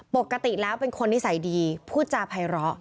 ปกติแล้วเป็นคนนิสัยดีพูดจาภัยร้อ